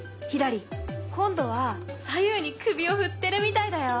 今度は左右に首を振ってるみたいだよ。